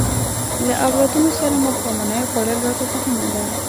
له اولادونو سره ماښامنۍ خوړل راته مهمه ده.